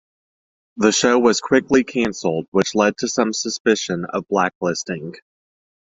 The show was quickly cancelled, which led to some suspicion of blacklisting.